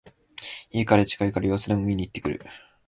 家から近いから様子でも見にいってくる